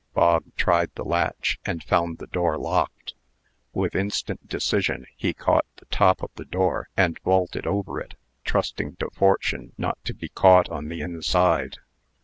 Bog tried the latch, and found the door locked. With instant decision, he caught the top of the door, and vaulted over it, trusting to fortune not to be caught on the inside.